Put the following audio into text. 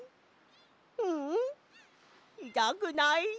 ううんいたくない。